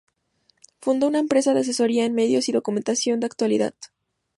Fundó una empresa de asesoría en medios y documentación de actualidad.